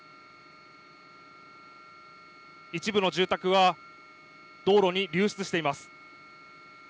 一部の住宅は、道路に流出しています。